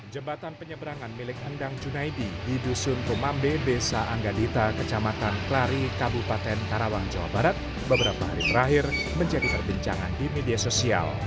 jembatan penyeberangan milik andang cunaidi di dusun tumambe desa anggadita kecamatan klari kabupaten tarawang jawa barat beberapa hari terakhir menjadi terbincangan di media sosial